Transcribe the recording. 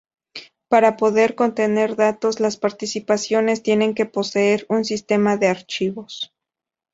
Para poder contener datos, las particiones tienen que poseer un sistema de archivos.